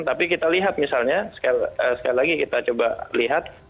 tapi kita lihat misalnya sekali lagi kita coba lihat